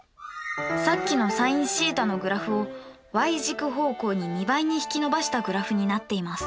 さっきのｓｉｎθのグラフをｙ軸方向に２倍に引き伸ばしたグラフになっています。